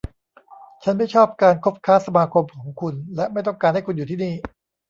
ฉันไม่ชอบการคบค้าสมาคมของคุณ และไม่ต้องการให้คุณอยู่ที่นี่